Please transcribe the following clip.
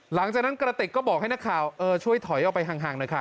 หลังจากนั้นกระติกก็บอกให้นักข่าวช่วยถอยออกไปห่างหน่อยค่ะ